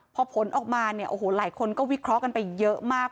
พอผลออกมาหลายคนก็วิเคราะห์กันไปเยอะมาก